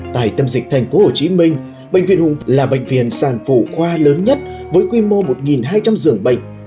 tại tâm dịch thành phố hồ chí minh bệnh viện hùng là bệnh viện sản phụ khoa lớn nhất với quy mô một hai trăm linh giường bệnh